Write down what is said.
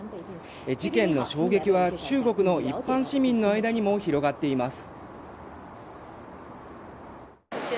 事件の衝撃は、中国の一般市民の間にも広がっています。